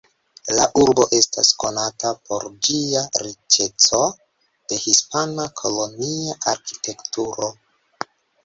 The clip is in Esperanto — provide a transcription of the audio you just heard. La urbo estas konata por ĝia riĉeco de hispana kolonia arkitekturo.